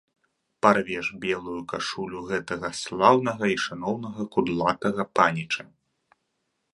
Парвеш белую кашулю гэтага слаўнага і шаноўнага кудлатага паніча!